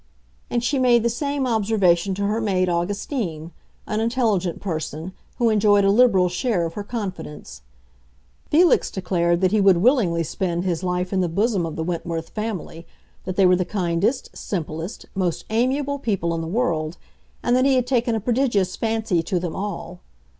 And she made the same observation to her maid Augustine, an intelligent person, who enjoyed a liberal share of her confidence. Felix declared that he would willingly spend his life in the bosom of the Wentworth family; that they were the kindest, simplest, most amiable people in the world, and that he had taken a prodigious fancy to them all.